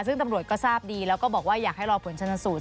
ซึ่งตำรวจก็ทราบดีแล้วก็บอกว่าอยากให้รอผลชนสูตร